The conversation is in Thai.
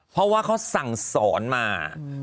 เพราะว่าเขาสั่งสอนมา